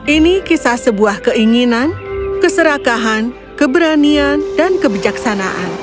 ini kisah sebuah keinginan keserakahan keberanian dan kebijaksanaan